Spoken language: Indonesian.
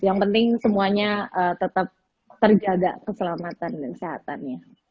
yang penting semuanya tetap terjaga keselamatan dan kesehatannya